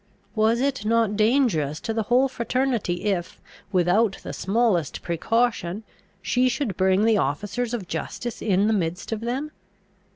Was it not dangerous to the whole fraternity if, without the smallest precaution, she should bring the officers of justice in the midst of them?